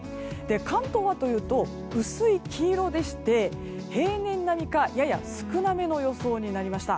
関東はというと薄い黄色でして平年並みかやや少なめの予想になりました。